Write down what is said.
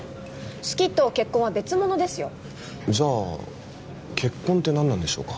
好きと結婚は別物ですよじゃあ結婚って何なんでしょうか？